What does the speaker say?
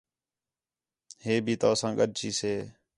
ہِے بھی تؤ ساں گݙ چیسے